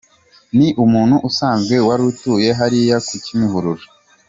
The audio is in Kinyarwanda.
Ni umuntu usanzwe wari utuye hariye ku Kimihurura.